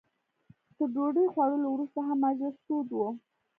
تر ډوډۍ خوړلو وروسته هم مجلس تود و.